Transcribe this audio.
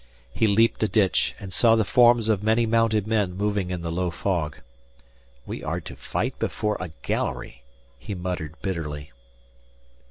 He leaped a ditch, and saw the forms of many mounted men moving in the low fog. "We are to fight before a gallery," he muttered bitterly.